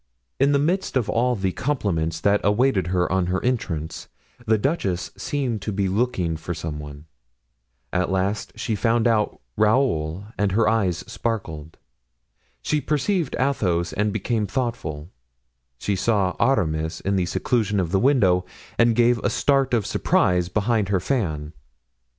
In the midst of all the compliments that awaited her on her entrance, the duchess seemed to be looking for some one; at last she found out Raoul and her eyes sparkled; she perceived Athos and became thoughtful; she saw Aramis in the seclusion of the window and gave a start of surprise behind her fan.